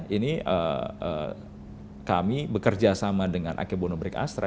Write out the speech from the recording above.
ini kami bekerjasama dengan akebono brick astra